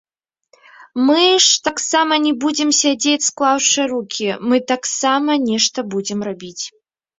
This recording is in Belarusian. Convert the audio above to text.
Мы ж таксама не будзем сядзець склаўшы рукі, мы таксама нешта будзем рабіць.